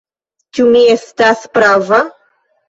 Ĉu mi estas prava?"